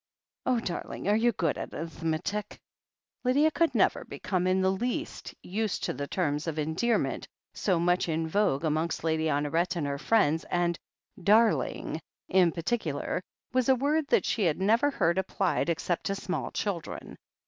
Oh, darling, are you good at a'ith metic ?" Lydia could never become in the least used to the 244 THE HEEL OF ACHILLES terms of endearment, so much in vogue amongst Lady Honoret and her friends, and "darling," in particular, was a word that she had never heard applied except to small children.